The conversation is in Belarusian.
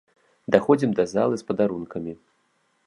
Даходзім да залы з падарункамі.